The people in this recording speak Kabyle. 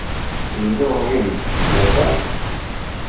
Yella umyag deg tefyirt-a?